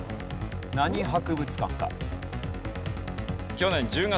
何博物館か？